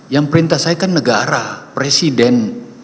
yang perintah saya kan negara presiden